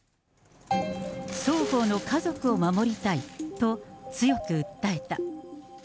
双方の家族を守りたいと、強く訴えた。